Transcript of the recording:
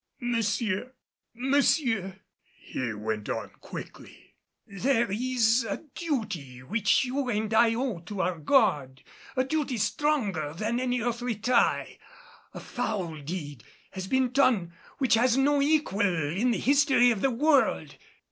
"Monsieur, monsieur," he went on quickly, "there is a duty which you and I owe to our God a duty stronger than any earthly tie. A foul deed has been done which has no equal in the history of the world."